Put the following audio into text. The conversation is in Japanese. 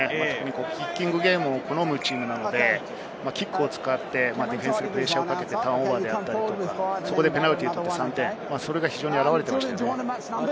キッキングゲームを好むチームなので、キックを使ってディフェンスでプレッシャーをかけてターンオーバーであったり、ペナルティーの３点、それが非常に表れていました。